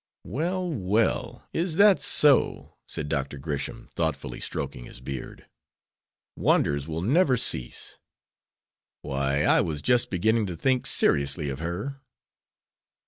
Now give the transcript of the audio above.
"Well, well! Is that so?" said Dr. Gresham, thoughtfully stroking his beard. "Wonders will never cease. Why, I was just beginning to think seriously of her."